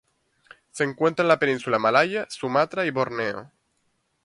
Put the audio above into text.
Se encuentra en la península malaya, Sumatra y Borneo.